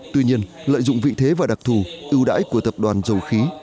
tuy nhiên lợi dụng vị thế và đặc thù ưu đãi của tập đoàn dầu khí